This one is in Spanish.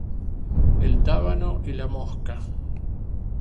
El Tábano y la Mosca